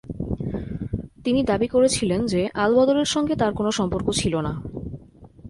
তিনি দাবি করেছিলেন যে, আলবদরের সঙ্গে তাঁর কোনো সম্পর্ক ছিল না।